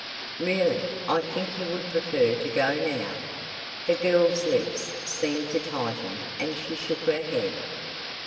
"Really, I think you would prefer to go now?" The girl's lips seemed to tighten and she shook her head.